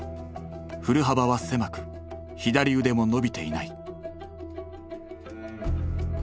振る幅は狭く左腕も伸びていない。